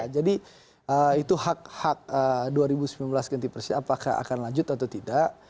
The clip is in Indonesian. jadi itu hak hak dua ribu sembilan belas ganti persis apakah akan lanjut atau tidak